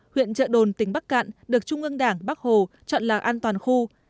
huyện trợ đồn tỉnh bắc cạn được trung ương đảng bắc hồ chọn là an toàn khu